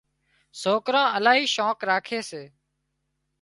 سوڪران الاهي شوق راکي سي